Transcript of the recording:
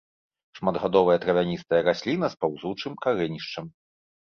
Шматгадовая травяністая расліна з паўзучым карэнішчам.